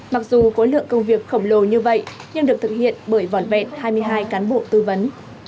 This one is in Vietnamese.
mặc dù khối lượng công việc khổng lồ như vậy nhưng được thực hiện bởi vỏn vẹn hai mươi hai cán bộ tư vấn